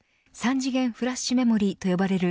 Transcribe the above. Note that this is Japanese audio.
３次元フラッシュメモリと呼ばれる